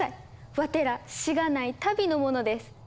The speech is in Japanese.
わてらしがない旅の者です。